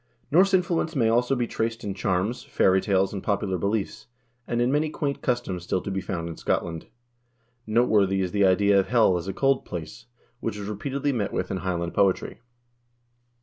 Norse influence may also be traced in charms, fairy tales, and popular beliefs, and in many quaint customs still to be found in Scotland. Noteworthy is the idea of hell as a cold place, which is repeatedly met with in Highland poetry.